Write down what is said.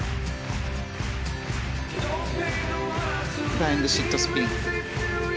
フライングシットスピン。